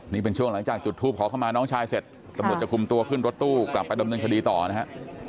นี่เป็นช่วงหลังจากจุดทูปขอเข้ามาน้องชายเสร็จตำรวจจะคุมตัวขึ้นรถตู้กลับไปดำเนินคดีต่อนะฮะ